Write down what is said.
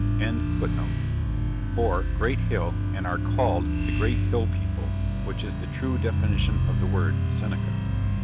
] or Great Hill, and are called "The Great Hill People," which is the true definition of the word Seneca.